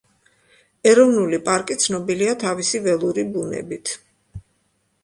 ეროვნული პარკი ცნობილია თავისი ველური ბუნებით.